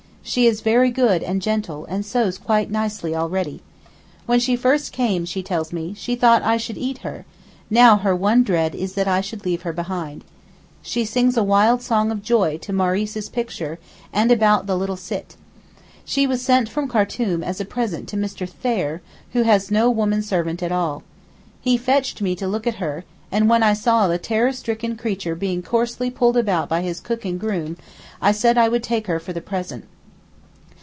She is very good and gentle, and sews quite nicely already. When she first came, she tells me, she thought I should eat her; now her one dread is that I should leave her behind. She sings a wild song of joy to Maurice's picture and about the little Sitt. She was sent from Khartoum as a present to Mr. Thayer, who has no woman servant at all. He fetched me to look at her, and when I saw the terror stricken creature being coarsely pulled about by his cook and groom, I said I would take her for the present.